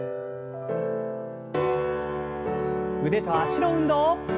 腕と脚の運動。